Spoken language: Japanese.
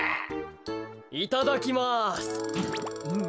いただきます。